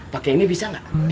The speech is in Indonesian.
pakai ini bisa gak